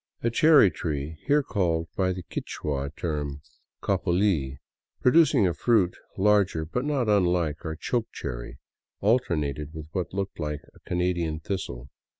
A cherry tree, here called by the Quichua term capuli, producing a fruit larger but not unlike our " choke cherry," alternated with what looked like the Canadian thistle.